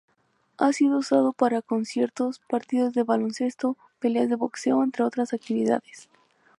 Ha sido usado para conciertos, partidos de baloncesto, peleas de boxeo entre otras actividades.